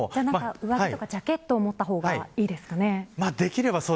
上着とかジャケットを持った方がいいですかね。